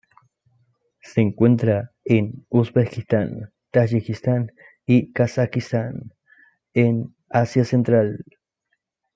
Se encuentra en Uzbekistán, Tayikistán y Kazajstán en Asia central.